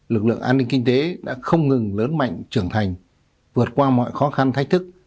lực lượng an ninh kinh tế đã không ngừng lớn mạnh trưởng thành vượt qua mọi khó khăn thách thức